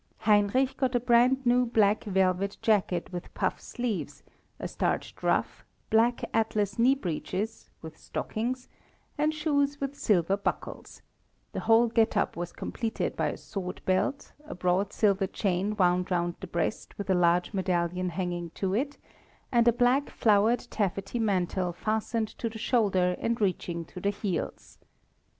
Heinrich got a brand new black velvet jacket with puff sleeves, a starched ruff, black atlas knee breeches, with stockings, and shoes with silver buckles the whole get up was completed by a sword belt, a broad silver chain wound round the breast with a large medallion hanging to it, and a black flowered taffety mantle fastened to the shoulder and reaching to the heels.